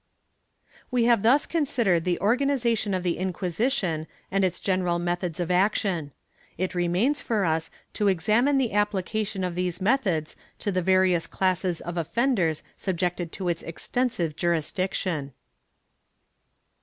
^ We have thus considered the organization of the Inquisition »nd its general methods of action. It remains for us to examine the application of those methods to the various classes of offenders subjected to its extensive jurisdiction.